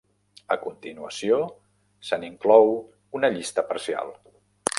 A continuació, se n'inclou una llista parcial.